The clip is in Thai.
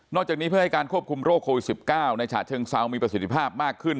จากนี้เพื่อให้การควบคุมโรคโควิด๑๙ในฉะเชิงเซามีประสิทธิภาพมากขึ้น